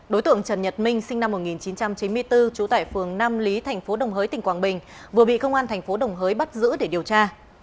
đối tượng trần nhật minh sinh năm một nghìn chín trăm chín mươi bốn trú tại phường nam lý tp đồng hới tỉnh quảng bình vừa bị công an tp đồng hới bắt giữ để điều tra